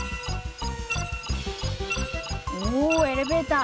おエレベーター！